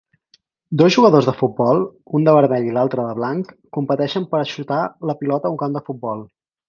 Dos jugadors de futbol, un de vermell i l'altre de blanc, competeixen per xutar la pilota a un camp de futbol